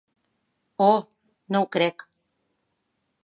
Oh, no ho crec.